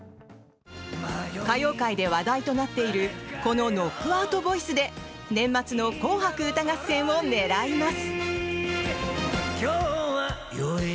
歌謡界で話題となっているこのノックアウトボイスで年末の「紅白歌合戦」を狙います。